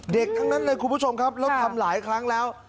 ทั้งนั้นเลยคุณผู้ชมครับแล้วทำหลายครั้งแล้ว